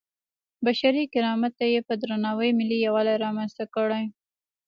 بشري کرامت ته یې په درناوي ملي یووالی رامنځته کړی.